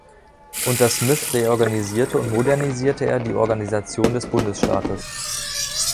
Unter Smith reorganisierte und modernisierte er die Organisation des Bundesstaates.